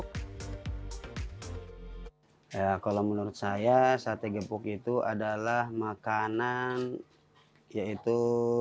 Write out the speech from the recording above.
kalau menurut saya sate gepuk itu adalah makanan yaitu